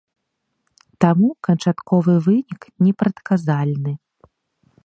Таму канчатковы вынік непрадказальны.